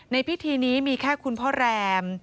ในพิธีนี้มีแค่คุณพ่อแรม